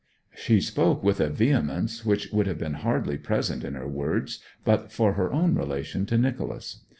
She spoke with a vehemence which would have been hardly present in her words but for her own relation to Nicholas.